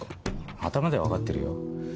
頭では分かってるよ。